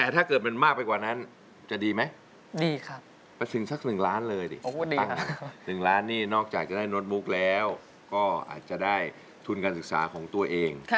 ทุนการศึกษาของตัวเอง